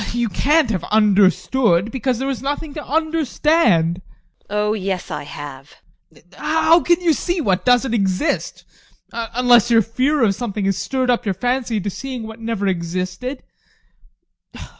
ADOLPH. You can't have understood, because there was nothing to understand. TEKLA. Oh yes, I have! ADOLPH. How can you see what doesn't exist, unless your fear of something has stirred up your fancy into seeing what has never existed?